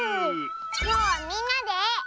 きょうはみんなで。